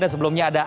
dan sebelumnya ada